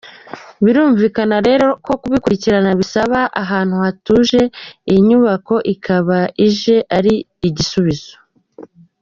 Birumvikana rero ko kubikurikirana bisaba ahantu hatuje iyi nyubako ikaba ije ari igisubizo”.